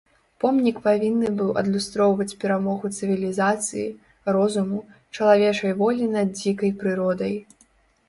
Помнік павінны быў адлюстроўваць перамогу цывілізацыі, розуму, чалавечай волі над дзікай прыродай.